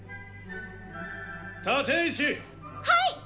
立石！はいっ！